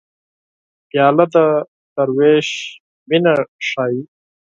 پیاله د دروېش مینه ښيي.